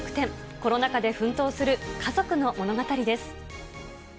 コロナ禍で奮闘する家族の物語です。